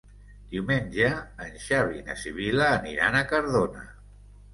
Diumenge en Xavi i na Sibil·la aniran a Cardona.